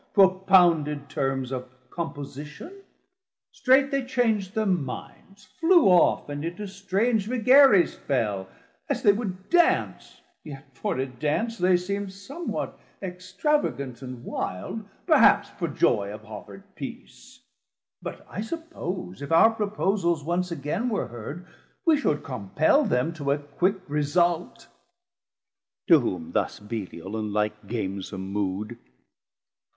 propounded terms Of composition, strait they chang'd thir minds, Flew off, and into strange vagaries fell, As they would dance, yet for a dance they seemd Somwhat extravagant and wilde, perhaps For joy of offerd peace: but I suppose If our proposals once again were heard We should compel them to a quick result. To whom thus Belial in like gamesom mood.